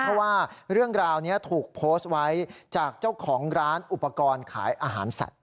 เพราะว่าเรื่องราวนี้ถูกโพสต์ไว้จากเจ้าของร้านอุปกรณ์ขายอาหารสัตว